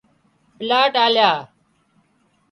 پلاٽ آليا